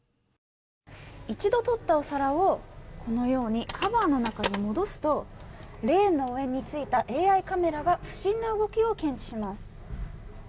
一度とったお皿をこのようにカバーの中に戻すとレーンの上についたＡＩカメラが不審な動きを検知します。